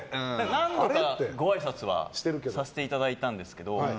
何度か、ごあいさつはさせていただいたんですけど